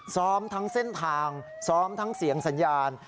ซ้อมทั้งเส้นทางซ้อมทั้งเสียงสัญญาณ